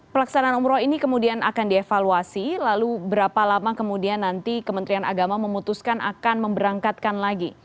pelaksanaan umroh ini kemudian akan dievaluasi lalu berapa lama kemudian nanti kementerian agama memutuskan akan memberangkatkan lagi